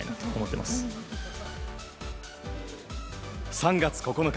３月９日